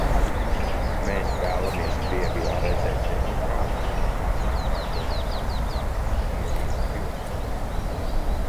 Mēs vēlamies Krievijā redzēt demokrātiju ne mazāk, kā to vēlas paši Krievijas pilsoņi.